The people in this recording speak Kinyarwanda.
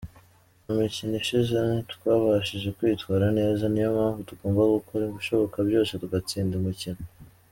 mu mikino ishize ntitwabashije kwitwara neza, niyo mpamvu tugomba gukora ibishoboka byose tugatsinda umukino.